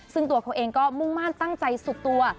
ซึ่งตัวเขาเองก็มุ่งมั่นตั้งใจสุดตัว